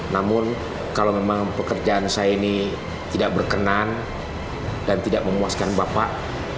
namun kalau memang pekerjaan saya ini tidak berkenan dan tidak memuaskan bapak